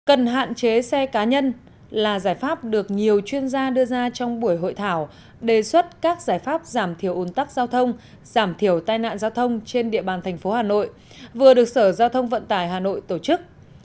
cần hạn chế xe cá nhân là giải pháp được nhiều chuyên gia đưa ra trong buổi hội thảo đề xuất các giải pháp giảm thiểu ồn tắc giao thông giảm thiểu tai nạn giao thông trên địa bàn thành phố hà nội vừa được sở giao thông vận tải hà nội tổ chức